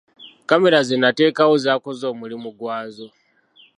Kkamera ze nateekawo zaakoze omulimu gwazo.